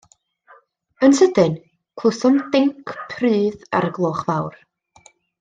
Yn sydyn, clywsom dinc prudd ar y gloch fawr.